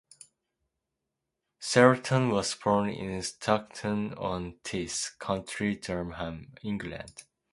Sheraton was born in Stockton-on-Tees, County Durham, England.